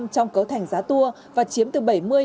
trong cấu thành giá tour và chiếm từ